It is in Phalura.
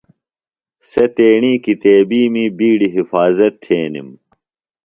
سےۡ تیݨی کِتیبِیمی بِیڈیۡ حِفاظت تھینِم۔